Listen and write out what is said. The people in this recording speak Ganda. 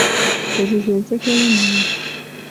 Ezo z'ensekere enyingi.